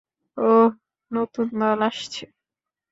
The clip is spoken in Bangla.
ওহ, নতুন দল আসছে?